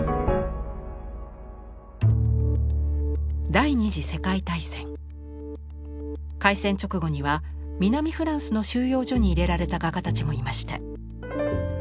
第二次世界大戦開戦直後には南フランスの収容所に入れられた画家たちもいました。